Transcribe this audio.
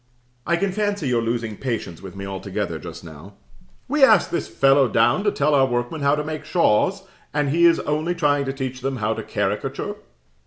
I can fancy your losing patience with me altogether just now. "We asked this fellow down to tell our workmen how to make shawls, and he is only trying to teach them how to caricature."